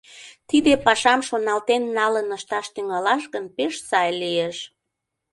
Тиде пашам шоналтен налын ышташ тӱҥалаш гын, пеш сай лиеш.